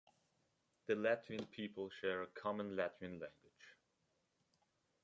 The Latvian people share a common Latvian language.